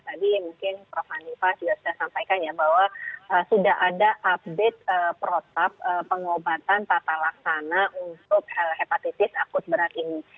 tadi mungkin prof hanifah juga sudah sampaikan ya bahwa sudah ada update protap pengobatan tata laksana untuk hepatitis akut berat ini